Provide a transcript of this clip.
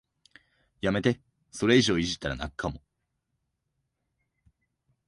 やめて、それ以上いじったら泣くかも